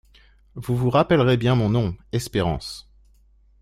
Vous vous rappellerez bien mon nom : Espérance.